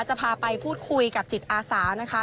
จะพาไปพูดคุยกับจิตอาสานะคะ